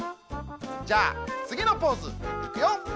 じゃあつぎのポーズいくよ。